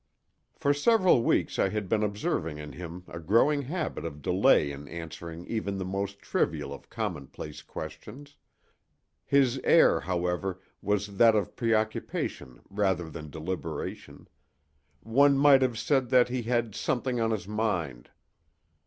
For several weeks I had been observing in him a growing habit of delay in answering even the most trivial of commonplace questions. His air, however, was that of preoccupation rather than deliberation: one might have said that he had "something on his mind."